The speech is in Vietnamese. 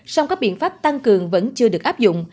song các biện pháp tăng cường vẫn chưa được áp dụng